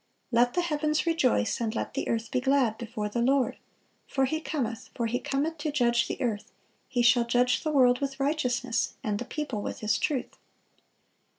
(452) "Let the heavens rejoice, and let the earth be glad ... before the Lord: for He cometh, for He cometh to judge the earth: He shall judge the world with righteousness, and the people with His truth."